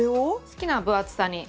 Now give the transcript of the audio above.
好きな分厚さに。